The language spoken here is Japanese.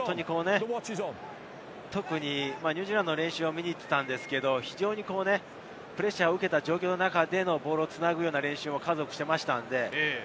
特にニュージーランドの練習を見に行っていたんですけれど、プレッシャーを受けた状況の中でのボールをつなぐ練習を数多くしていました。